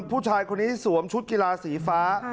ผู้ชายคนนี้สวมชุดกีฬาสีฟ้า